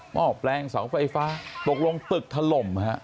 มอกแปลง๒ไฟฟ้าตกลงตึกถล่มนะฮะ